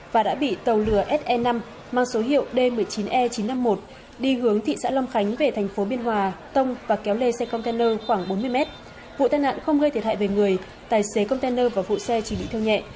vụ tai nạn không gây thiệt hại về người tài xế container và vụ xe chỉ bị theo nhẹ